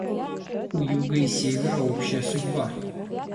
У Юга и Севера общая судьба.